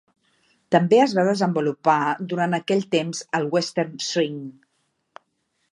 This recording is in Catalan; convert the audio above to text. També es va desenvolupar durant aquell temps el Western swing.